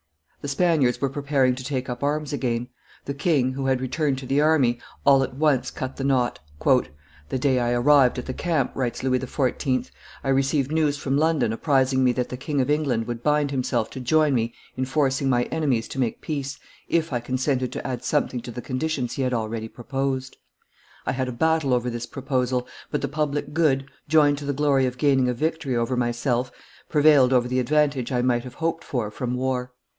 The Spaniards were preparing to take up arms again. The king, who had returned to the army, all at once cut the knot. "The day I arrived at the camp," writes Louis XIV., I received news from London apprising mee that the King of England would bind himself to join me in forcing my enemies to make peace, if I consented to add something to the conditions he had already proposed. I had a battle over this proposal, but the public good, joined to the glory of gaining a victory over myself, prevailed over the advantage I might have hoped for from war.